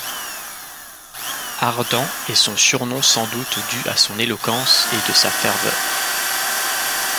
Ardent est son surnom sans doute dû à son éloquence et de sa ferveur.